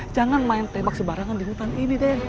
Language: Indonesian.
jangan main tembak sebarangan di hutan ini deh